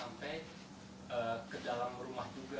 sampai ke dalam rumah juga